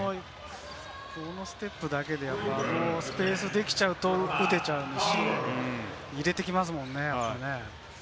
このステップだけであのスペースができちゃうと打てちゃうし、入れてきますものね。